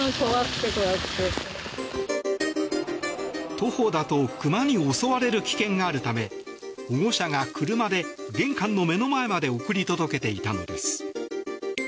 徒歩だと熊に襲われる危険があるため保護者が車で玄関の目の前まで送り届けていたのです。